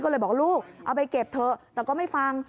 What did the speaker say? ก็เลยบอกลูกเอาไปเก็บเถอะแต่ก็ไม่ฟัง